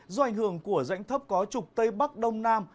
do ảnh hưởng của rãnh thấp có trục tây bắc đông nam